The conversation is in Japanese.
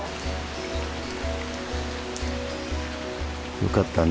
よかったね。